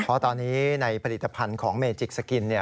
เพราะตอนนี้ในผลิตภัณฑ์ของเมจิกสกิน